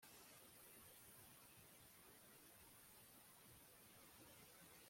amaso ye ayahoza ku bamwubaha